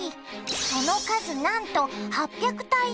その数なんと８００体以上！